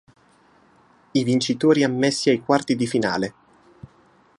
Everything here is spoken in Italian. I vincitori ammessi ai quarti di finale.